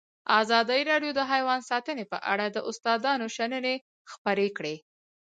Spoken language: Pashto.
ازادي راډیو د حیوان ساتنه په اړه د استادانو شننې خپرې کړي.